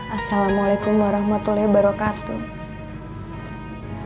assalamualaikum warahmatullahi wabarakatuh